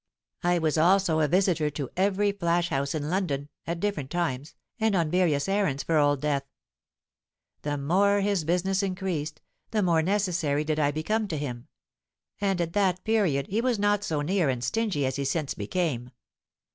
"I was also a visitor to every flash house in London, at different times, and on various errands for Old Death. The more his business increased, the more necessary did I become to him; and at that period he was not so near and stingy as he since became.